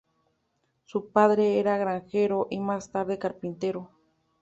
Su padre era granjero, y más tarde carpintero.